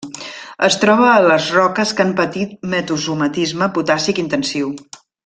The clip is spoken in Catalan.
Es troba a les roques que han patit metasomatisme potàssic intensiu.